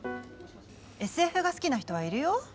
ＳＦが好きな人はいるよ？